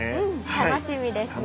楽しみですね。